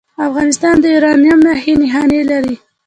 افغانستان د یورانیم نښې نښانې لري